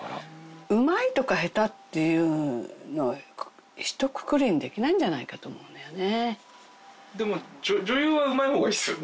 うまいとか下手っていうのひとくくりにできないんじゃないかと思うのよね。